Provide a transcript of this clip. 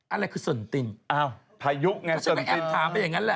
อะไรคือสนตินอ้าวพายุไงสนตินถ้าฉันไม่แอบถามไปอย่างนั้นแหละ